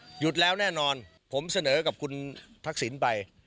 หยุดแล้วแน่นอนผมเสนอกับคุณทักษิณไป